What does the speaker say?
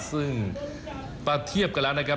ซึ่งมาเทียบกันแล้วนะครับ